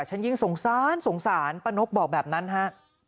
ฉันยิ่งสงสารสงสารป้านกบอกแบบนั้นฮะ